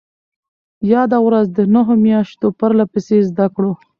ياده ورځ د نهو مياشتو پرلهپسې زدهکړو